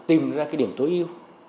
tìm ra cái điểm tối ưu